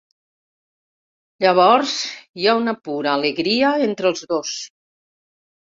Llavors hi ha una pura Alegria entre els dos.